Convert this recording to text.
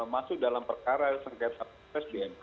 masuk dalam perkara yang sengketa pilpres di mk